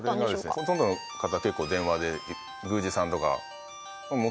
ほとんどの方結構電話で宮司さんとか。